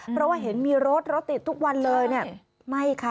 เพราะว่าเห็นมีรถรถติดทุกวันเลยเนี่ยไม่ค่ะ